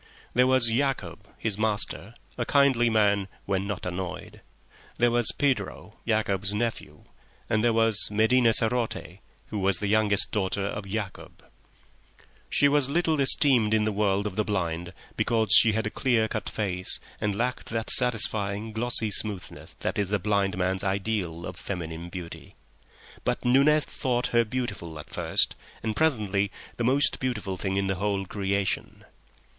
There was Yacob, his master, a kindly man when not annoyed; there was Pedro, Yacob's nephew; and there was Medina sarote, who was the youngest daughter of Yacob. She was little esteemed in the world of the blind, because she had a clear cut face and lacked that satisfying, glossy smoothness that is the blind man's ideal of feminine beauty, but Nunez thought her beautiful at first, and presently the most beautiful thing in the whole creation.